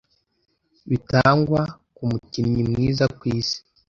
bitangwa ku mukinnyi mwiza ku Isi,